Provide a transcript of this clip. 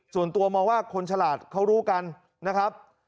ส่วนตัวมองว่าคนฉลาดเขารู้กันนะครับ